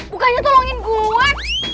bukannya tolongin gue